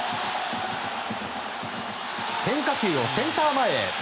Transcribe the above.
変化球をセンター前へ。